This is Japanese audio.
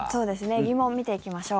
疑問を見ていきましょう。